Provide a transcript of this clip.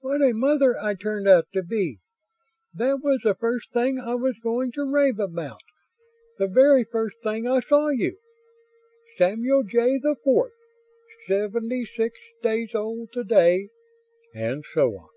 "What a mother I turned out to be! That was the first thing I was going to rave about, the very first thing I saw you! Samuel Jay the Fourth, seventy six days old today." And so on.